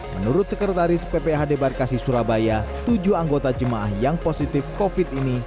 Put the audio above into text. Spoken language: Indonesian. menurut sekretaris pph debarkasi surabaya tujuh anggota jemaah yang positif covid ini